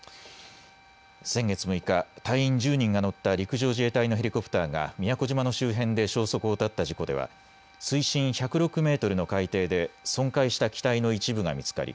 先月６日、隊員１０人が乗った陸上自衛隊のヘリコプターが宮古島の周辺で消息を絶った事故では水深１０６メートルの海底で損壊した機体の一部が見つかり